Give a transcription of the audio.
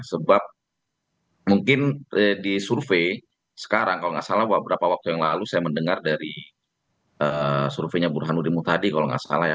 sebab mungkin di survei sekarang kalau nggak salah beberapa waktu yang lalu saya mendengar dari surveinya burhanuddin mutadi kalau nggak salah ya